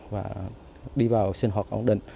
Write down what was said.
và đi vào sinh hoạt ổn định